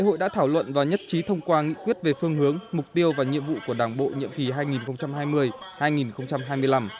khoa nghị quyết về phương hướng mục tiêu và nhiệm vụ của đảng bộ nhiệm kỳ hai nghìn hai mươi hai nghìn hai mươi năm